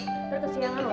yuk nanti kesiangan loh